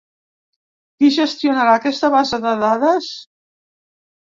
Qui gestionarà aquesta base de dades?